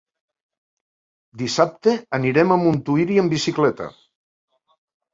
Dissabte anirem a Montuïri amb bicicleta.